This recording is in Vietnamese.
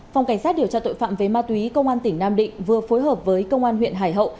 phòng cảnh sát điều tra tội phạm về ma túy công an tỉnh nam định vừa phối hợp với công an huyện hải hậu